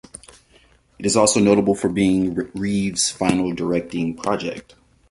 It is also notable for being Reeve's final directing project.